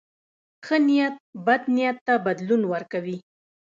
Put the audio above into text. ښه نیت بد نیت ته بدلون ورکوي.